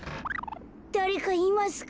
だれかいますか？